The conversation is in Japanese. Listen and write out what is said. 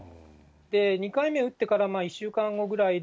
２回目打ってから、１週間後ぐらいで、